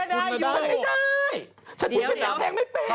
เดี๋ยวฉันกูเป็นแตงไม่เป็น